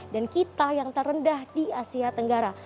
dan kita yang terendah di asia tenggara